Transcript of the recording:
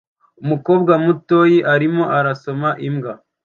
Umukobwa mutoyi arimo arasoma imbwa